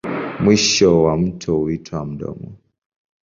Mwisho wa mto huitwa mdomo.